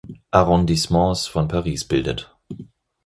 Arrondissements von Paris bildet.